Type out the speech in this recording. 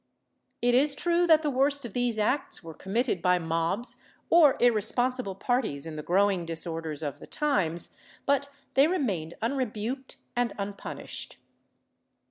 ^ It is true that the worst of these acts were committed by mobs or irresponsible parties in the growing disorders of the times, but they remained unrebuked and unpunished.